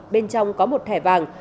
bên trong có một thẻ vàng